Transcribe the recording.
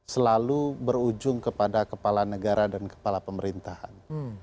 selalu berujung kepada kepala negara dan kepala pemerintahan